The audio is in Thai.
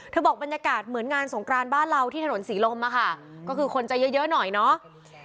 บอกบรรยากาศเหมือนงานสงกรานบ้านเราที่ถนนศรีลมอะค่ะก็คือคนจะเยอะเยอะหน่อยเนาะ